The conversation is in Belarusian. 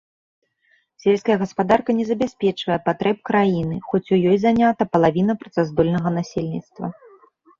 Сельская гаспадарка не забяспечвае патрэб краіны, хоць у ёй занята палавіна працаздольнага насельніцтва.